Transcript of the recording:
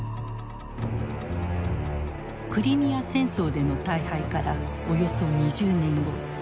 クリミア戦争での大敗からおよそ２０年後。